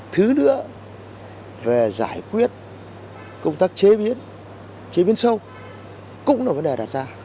thứ nữa về giải quyết công tác chế biến chế biến sâu cũng là vấn đề đặt ra